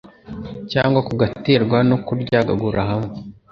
cyangwa kugaterwa no kuryagagura hamwe